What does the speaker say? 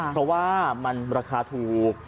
เพราะว่ามันราคาถูก